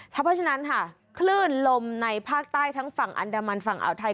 เพราะฉะนั้นค่ะคลื่นลมในภาคใต้ทั้งฝั่งอันดามันฝั่งอ่าวไทย